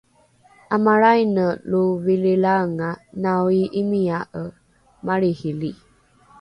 ’amalraine lo vilrilaenga naoii’imia’e malrihili